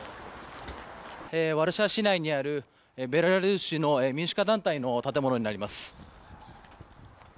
ワルシャワ市内にあるベラルーシの民主化団体の建物になります。